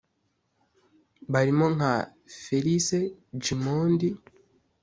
barimo nka Felice Gimondi